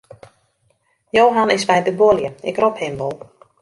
Johan is by de buorlju, ik rop him wol.